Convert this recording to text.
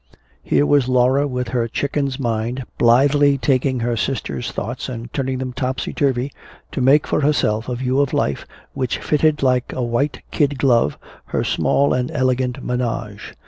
Here was Laura with her chicken's mind blithely taking her sister's thoughts and turning them topsy turvy, to make for herself a view of life which fitted like a white kid glove her small and elegant "ménage."